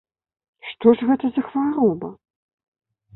Што ж гэта за хвароба?